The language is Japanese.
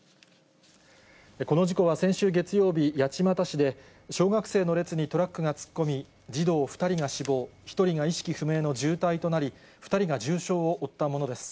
この事故は先週月曜日、八街市で、小学生の列にトラックが突っ込み、児童２人が死亡、１人が意識不明の重体となり、２人が重傷を負ったものです。